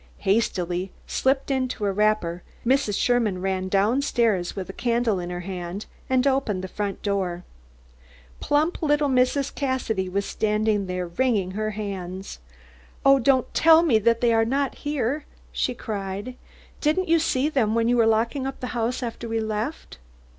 Hastily slipping into a wrapper, Mrs. Sherman ran down stairs with a candle in her hand, and opened the front door. Plump little Mrs. Cassidy was standing there, wringing her hands. "Oh, don't tell me that they are not here!" she cried. "Didn't you see them when you were locking up the house after we left?